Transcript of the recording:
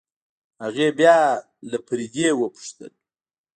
هغې بيا له فريدې وپوښتل.